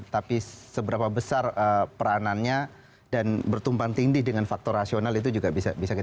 tapi seberapa besar peranannya dan bertumbuhan tinggi dengan faktor rasional itu juga bisa berubah